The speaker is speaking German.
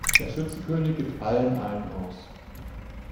Der Schützenkönig gibt allen einen aus.